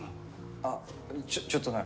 あっちょっとなら。